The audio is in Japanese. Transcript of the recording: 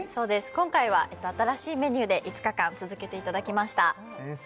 今回は新しいメニューで５日間続けていただきました先生